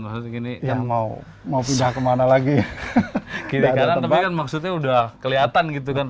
maksudnya gini yang mau pindah kemana lagi kiri kanan tapi kan maksudnya udah kelihatan gitu kan